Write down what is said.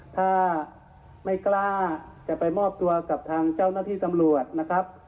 ถ้าไม่กล้าจะไปมอบตัวกับทางเจ้าหน้าที่ตำรวจนะครับ